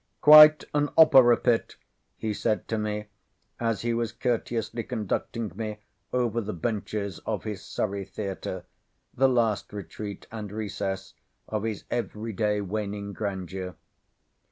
"Quite an Opera pit," he said to me, as he was courteously conducting me over the benches of his Surrey Theatre, the last retreat, and recess, of his every day waning grandeur.